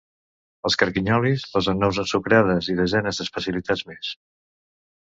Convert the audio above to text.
Els carquinyols, les anous ensucrades i desenes d’especialitats més.